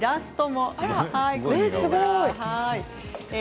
すごい！